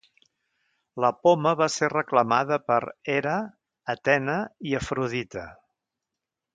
La poma va ser reclamada per Hera, Atena i Afrodita.